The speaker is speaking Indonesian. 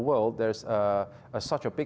selalu di dunia ada